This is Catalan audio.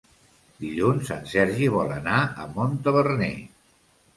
Dilluns en Sergi vol anar a Montaverner.